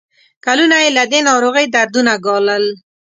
کلونه یې له دې ناروغۍ دردونه ګالل.